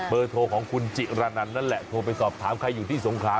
โทรของคุณจิระนันนั่นแหละโทรไปสอบถามใครอยู่ที่สงขา